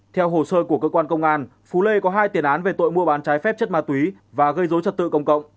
theo hồ sơ của cơ quan công an phú lê có hai tiền án về tội mua bán trái phép chất ma túy và gây dối trật tự công cộng